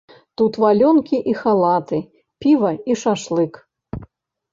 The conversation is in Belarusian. Тут валёнкі і халаты, піва і шашлык.